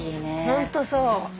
ホントそう。